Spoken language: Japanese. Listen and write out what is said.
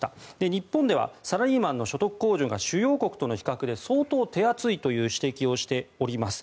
日本ではサラリーマンの所得控除が主要国との比較で相当手厚いという指摘をしております。